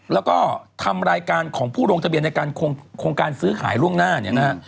แล้วก็ทำรายการของผู้ลงทะเบียนในการโครงการซื้อขายล่วงหน้าเนี่ยนะฮะ